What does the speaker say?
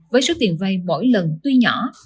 với số tiền vay mỗi lần tuy nhỏ